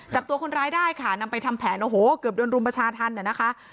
จับตัวคนร้ายได้ค่ะนำไปทำแผนโอ้โหเกือบโดนรุมประชาธรรมนะคะ